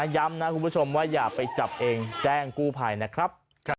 ย้ำนะคุณผู้ชมว่าอย่าไปจับเองแจ้งกู้ภัยนะครับ